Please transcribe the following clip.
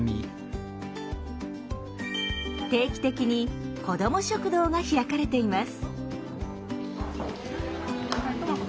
定期的に「子ども食堂」が開かれています。